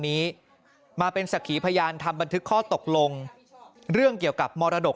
นี้มาเป็นสักขีพยานทำบันทึกข้อตกลงเรื่องเกี่ยวกับมรดก